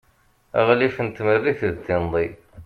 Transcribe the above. aɣlif n tmerrit d tinḍi